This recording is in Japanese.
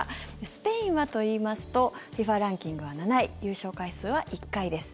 スペインはといいますとＦＩＦＡランキングは７位優勝回数は１回です。